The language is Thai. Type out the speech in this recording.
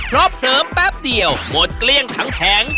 เพราะเผลอแป๊บเดียวหมดเกลี้ยงทั้งแผง